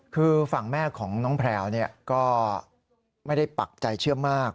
คือฝั่งแม่ของน้องแพลวก็ไม่ได้ปักใจเชื่อมาก